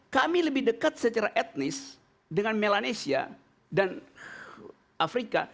kami lebih dekat secara etnis dengan melanesia dan afrika